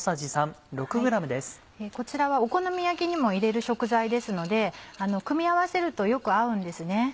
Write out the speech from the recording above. こちらはお好み焼きにも入れる食材ですので組み合わせるとよく合うんですね。